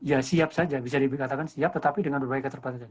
ya siap saja bisa dikatakan siap tetapi dengan berbagai keterbatasan